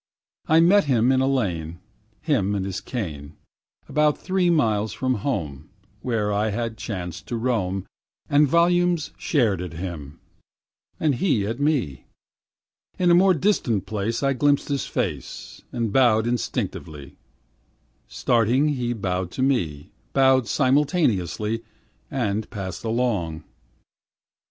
I met him in a lane, Him and his cane, About three miles from home, Where I had chanced to roam, And volumes stared at him, and he at me. In a more distant place I glimpsed his face, And bowed instinctively; Starting he bowed to me, Bowed simultaneously, and passed along.